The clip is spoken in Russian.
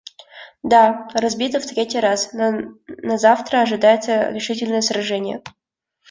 Да, разбиты в третий раз, но назавтра ожидается решительное сражение.